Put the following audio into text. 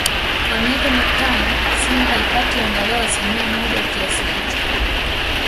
kwa miaka mitano Simba haipati angalau asilimia moja ya kiasi hicho